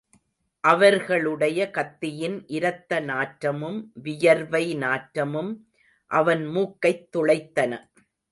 அவர்களுடைய கத்தியின் இரத்த நாற்றமும், வியர்வை நாற்றமும் அவன் மூக்கைத் துளைத்தன.